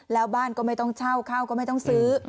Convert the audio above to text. แล้วบ้านก็ไม่ต้องเช่าข้าวก็ไม่ต้องซื้อ